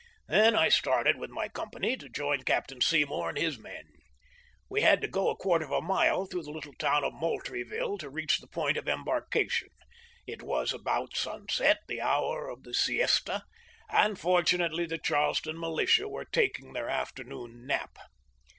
Then I started with my company to join Captain Seymour and his men. We had to go a quarter of a mile through the little town of Moultrieville to reach the point of embarkation. It was about sunset, the hour of the siesta, and fortunately the Charleston militia were taking their afternoon nap.